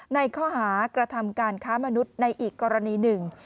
ในข้อหากระทำการค้ามนุษย์ในอีกกรณีหนึ่ง